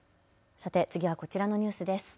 さて次はこちらのニュースです。